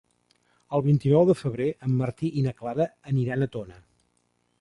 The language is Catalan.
El vint-i-nou de febrer en Martí i na Clara aniran a Tona.